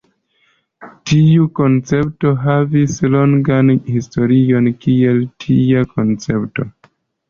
Tiu koncepto havis longan historion kiel tia koncepto.